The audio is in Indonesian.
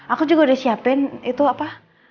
aku juga udah siapin itu apa